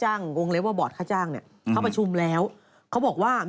ให้เขาทำงานผมอยากให้เขา